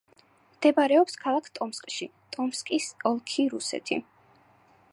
მდებარეობს ქალაქ ტომსკში, ტომსკის ოლქი, რუსეთი.